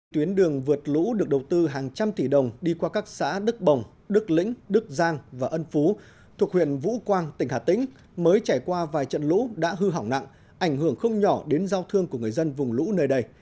tuyến đường vượt lũ được đầu tư hàng trăm tỷ đồng đi qua các xã đức bồng đức lĩnh đức giang và ân phú thuộc huyện vũ quang tỉnh hà tĩnh mới trải qua vài trận lũ đã hư hỏng nặng ảnh hưởng không nhỏ đến giao thương của người dân vùng lũ nơi đây